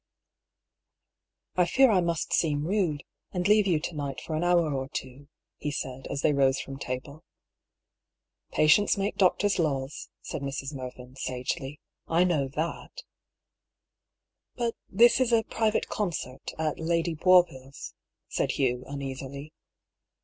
" I fear I must seem rude, and leave you to night for an hour or two," he said, as they rose from table. "Patients make doctors' laws," said Mrs. Mervyn, sagely. " I know that,''^ " But this is a private concert at Lady Boisville's," said Hugh, uneasily.